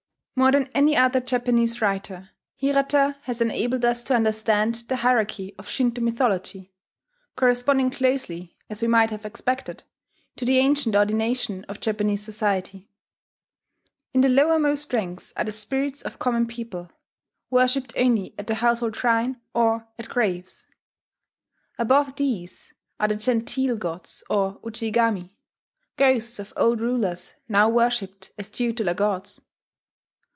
More than any other Japanese writer, Hirata has enabled us to understand the hierarchy of Shinto mythology, corresponding closely, as we might have expected, to the ancient ordination of Japanese society. In the lowermost ranks are the spirits of common people, worshipped only at the household shrine or at graves. Above these are the gentile gods or Ujigami, ghosts of old rulers now worshipped as tutelar gods.